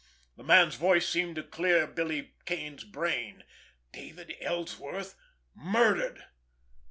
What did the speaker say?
The man's voice seemed to clear Billy Kane's brain. David Ellsworth—murdered!